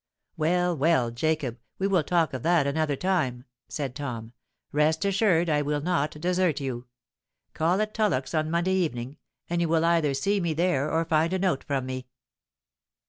"Well—well, Jacob, we will talk of that another time," said Tom. "Rest assured I will not desert you. Call at Tullock's on Monday evening, and you will either see me there or find a note from me."